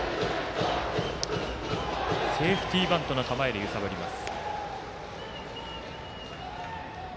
セーフティーバントの構えで揺さぶります。